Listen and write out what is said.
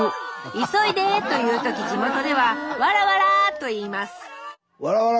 「急いで」と言う時地元では「わらわら」と言いますわらわら！